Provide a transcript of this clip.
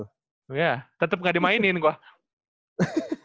oh iya tetep gak dimainin gue